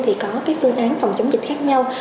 thì có cái phương án phòng chống dịch khác nhau